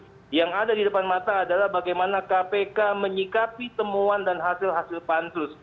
tapi yang ada di depan mata adalah bagaimana kpk menyikapi temuan dan hasil hasil pansus